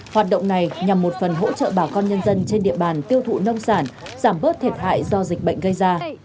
hoạt động này nhằm một phần hỗ trợ bà con nhân dân trên địa bàn tiêu thụ nông sản giảm bớt thiệt hại do dịch bệnh gây ra